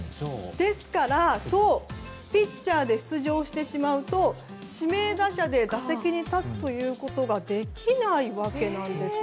ですからピッチャーで出場してしまうと、指名打者で打席に立つということができないわけなんですね。